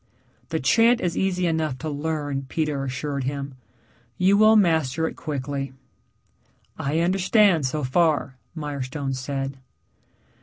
"The chant is easy enough to learn," Peter assured him. "You will master it quickly." "I understand so far," Mirestone said.